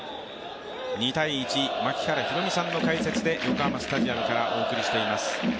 ２−１、槙原寛己さんの解説で横浜スタジアムからお送りしています。